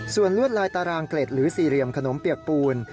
ส่วนลวดลายตารางเกล็ดหรือสี่เหลี่ยมขนมเปียกปูน